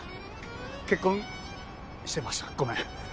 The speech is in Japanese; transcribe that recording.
結婚してましたごめん。